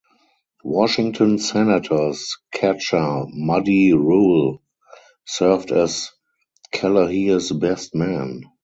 Washington Senators catcher Muddy Ruel served as Kelleher’s best man.